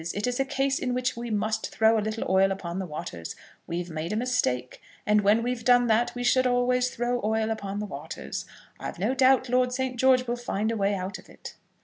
It is a case in which we must throw a little oil upon the waters. We've made a mistake, and when we've done that we should always throw oil upon the waters. I've no doubt Lord St. George will find a way out of it."